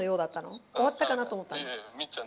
終わったかなと思ったの？